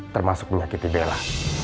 termasuk menyakiti bella